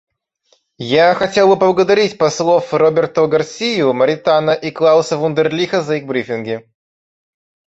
Я хотел бы поблагодарить послов Роберто Гарсию Моритана и Клауса Вундерлиха за их брифинги.